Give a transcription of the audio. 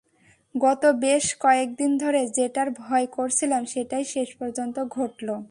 গত বেশ কয়েকদিন ধরে যেটার ভয় করছিলাম সেটাই শেষ পর্যন্ত ঘটল!